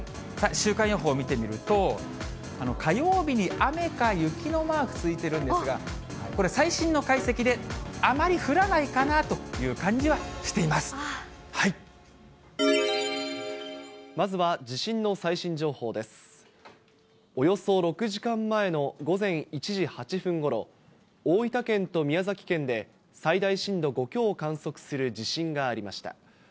週間予報見てみると、火曜日に雨か雪のマークついてるんですが、これ、最新の解析で、およそ６時間前の午前１時８分ごろ、大分県と宮崎県で、最大震度５強を観測する地震がありました。